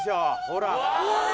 ほら。